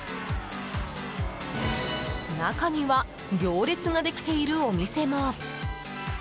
中には行列ができているお店も。